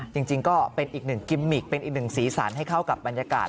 จริงก็เป็นอีกหนึ่งกิมมิกเป็นอีกหนึ่งสีสันให้เข้ากับบรรยากาศ